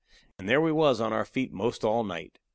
And there we was on our feet 'most all night.